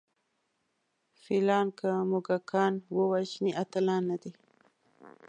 فیلان که موږکان ووژني اتلان نه دي.